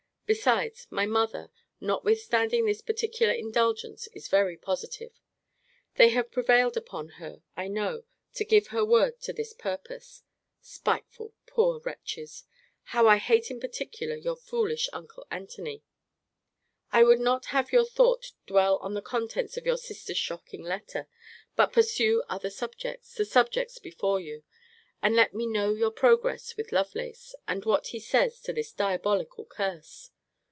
Besides, my mother, notwithstanding this particular indulgence, is very positive. They have prevailed upon her, I know, to give her word to this purpose Spiteful, poor wretches! How I hate in particular your foolish uncle Antony. I would not have your thought dwell on the contents of your sister's shocking letter; but pursue other subjects the subjects before you. And let me know your progress with Lovelace, and what he says to this diabolical curse.